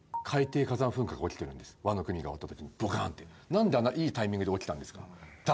何であんないいタイミングで起きたんですか？